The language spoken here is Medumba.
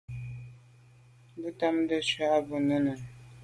Bo tamtô à jù à b’a nunenùne.